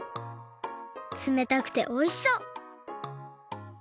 つめたくておいしそう！